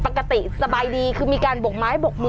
โอ้โหโอ้โห